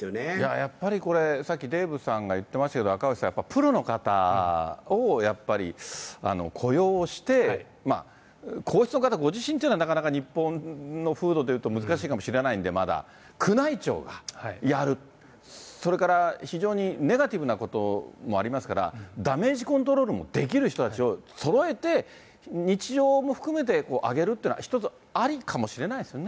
やっぱりこれ、さっき、デーブさんが言ってましたけど、赤星さん、やっぱりプロの方をやっぱり雇用して、皇室の方ご自身というのは、なかなか日本の風土でいうと難しいかもしれないんで、まだ、宮内庁がやる、それから非常にネガティブなこともありますから、ダメージコントロールもできる人たちをそろえて、日常も含めて上げるっていうのはありかもしれないですね。